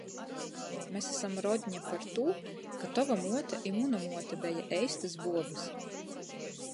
Mes asam rodņa partū, ka tova muote i muna muote beja eistys buobys.